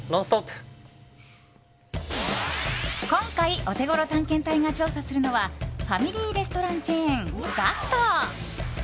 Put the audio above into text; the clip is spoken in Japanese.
今回、オテゴロ探検隊が調査するのはファミリーレストランチェーンガスト。